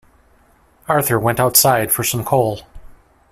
Arthur went outside for some coal.